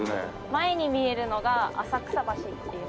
前に見えるのが浅草橋っていう。